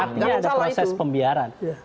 artinya ada proses pembiayaan